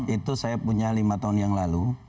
itu saya punya lima tahun yang lalu